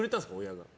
親が。